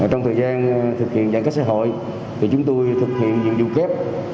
trong thời gian thực hiện giãn cách xã hội thì chúng tôi thực hiện nhiệm vụ kép